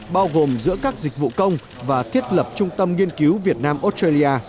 bao gồm giữa các dịch vụ công và thiết lập trung tâm nghiên cứu việt nam australia